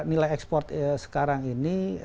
nilai ekspor sekarang ini